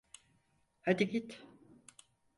Hadi git.